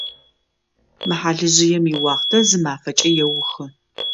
Мы хьалыжъыем иуахътэ зы мафэкӏэ еухы.